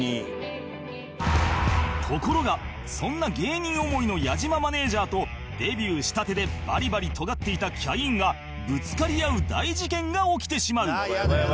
ところがそんな芸人思いの矢島マネジャーとデビューしたてでバリバリとがっていたキャインがぶつかり合う大事件が起きてしまう